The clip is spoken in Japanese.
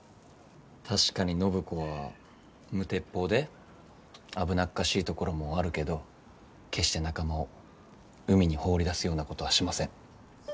確かに暢子は無鉄砲で危なっかしいところもあるけど決して仲間を海に放り出すようなことはしません。